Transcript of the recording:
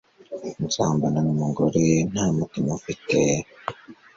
Usambana numugore nta mutima afite